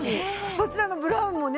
そちらのブラウンもね